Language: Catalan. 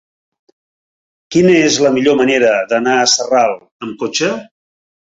Quina és la millor manera d'anar a Sarral amb cotxe?